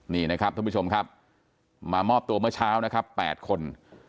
ท่านผู้ชมครับมามอบตัวเมื่อเช้า๘คน